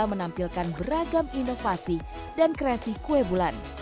menampilkan beragam inovasi dan kreasi kue bulan